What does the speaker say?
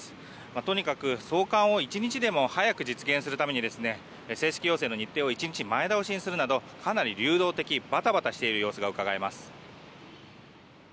とにかく送還を１日でも早く実現するために正式要請の日程を１日前倒しするなどかなり流動的バタバタしている様子がうかがえます。